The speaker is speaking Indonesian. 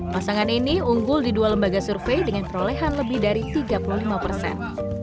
pasangan ini unggul di dua lembaga survei dengan perolehan lebih dari tiga puluh lima persen